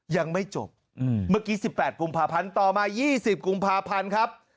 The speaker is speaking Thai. ยังไม่จบเมื่อกี้๑๘กุมภาพันธ์ต่อมา๒๐กุมภาพันธ์ครับ